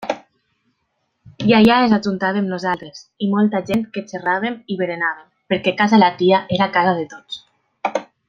I allà ens ajuntàvem nosaltres i molta gent que xerràvem i berenàvem, perquè casa la tia era la casa de tots.